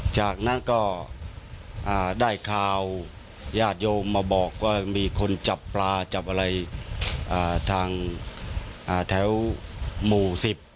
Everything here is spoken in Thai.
จากนั้นก็ได้ข่าวญาติโยมมาบอกว่ามีคนจับปลาจับอะไรทางแถวหมู่สิบ